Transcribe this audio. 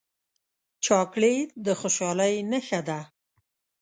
چاکلېټ د خوشحالۍ نښه ده.